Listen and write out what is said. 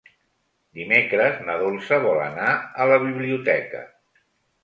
Dimecres na Dolça vol anar a la biblioteca.